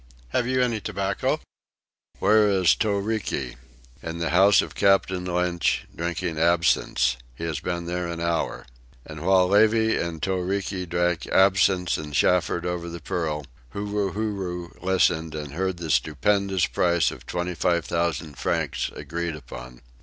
Have you any tobacco?" "Where is Toriki?" "In the house of Captain Lynch, drinking absinthe. He has been there an hour." And while Levy and Toriki drank absinthe and chaffered over the pearl, Huru Huru listened and heard the stupendous price of twenty five thousand francs agreed upon.